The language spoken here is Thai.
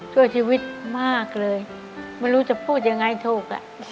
ช่วยชีวิตมากเลยไม่รู้จะพูดยังไงถูก